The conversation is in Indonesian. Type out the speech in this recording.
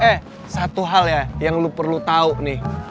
eh satu hal ya yang lo perlu tau nih